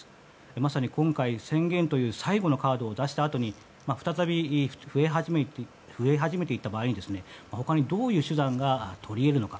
まさに今回、宣言という最後のカードを出したあとに再び増え始めていった場合に他に、どういう手段がとり得るのか。